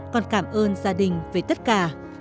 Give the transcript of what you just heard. con cảm ơn gia đình với tất cả